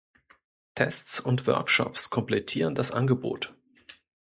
Tests und Workshops komplettieren das Angebot.